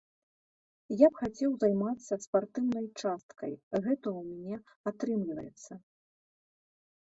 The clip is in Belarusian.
Я б хацеў займацца спартыўнай часткай, гэта ў мяне атрымліваецца.